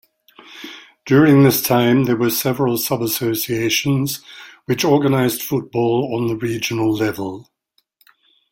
During this time there were several subassociations which organized football on the regional level.